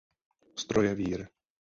Stroje výr.